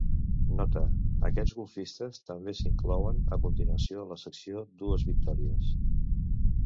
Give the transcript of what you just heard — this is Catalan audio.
Nota: Aquests golfistes també s'inclouen a continuació a la secció "Dues victòries".